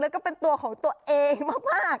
แล้วก็เป็นตัวของตัวเองมาก